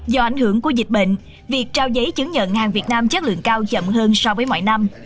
do ảnh hưởng của dịch bệnh việc trao giấy chứng nhận hàng việt nam chất lượng cao chậm hơn so với mọi năm